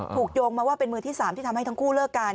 โยงมาว่าเป็นมือที่๓ที่ทำให้ทั้งคู่เลิกกัน